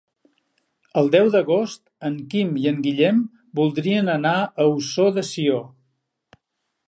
El deu d'agost en Quim i en Guillem voldrien anar a Ossó de Sió.